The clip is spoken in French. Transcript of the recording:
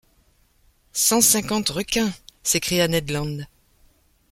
Cent cinquante requins ! s’écria Ned Land.